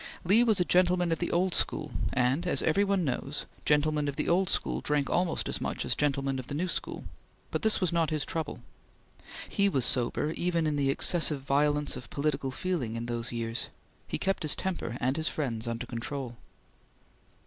Lee was a gentleman of the old school, and, as every one knows, gentlemen of the old school drank almost as much as gentlemen of the new school; but this was not his trouble. He was sober even in the excessive violence of political feeling in those years; he kept his temper and his friends under control.